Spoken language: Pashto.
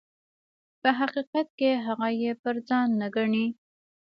په حقیقت کې هغه یې پر ځان نه ګڼي.